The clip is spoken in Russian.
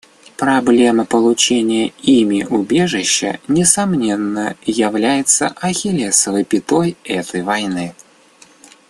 Проблема получения ими убежища, несомненно, является «ахиллесовой пятой» этой войны.